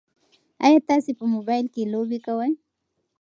ایا تاسي په موبایل کې لوبې کوئ؟